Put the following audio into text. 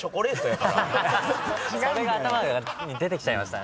それが頭の中に出てきちゃいましたね。